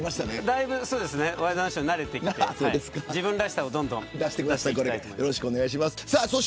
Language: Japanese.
だいぶワイドナショーに慣れてきて自分らしさを、どんどん出していきたいと思います。